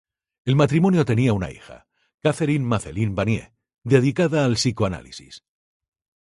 El matrimonio tenía una hija, Catherine Mathelin-Vanier, dedicada al psicoanálisis.